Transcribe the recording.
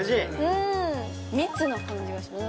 うん密な感じがします